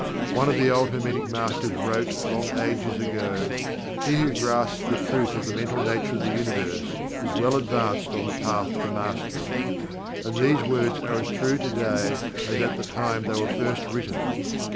One of the old Hermetic Masters wrote, long ages ago: "He who grasps the truth of the Mental Nature of the Universe is well advanced on The Path to Mastery." And these words are as true today as at the time they were first written.